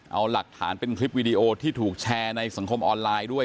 เอาหลักฐานเป็นคลิปวีดีโอที่ถูกแชร์ในสังคมออนไลน์ด้วย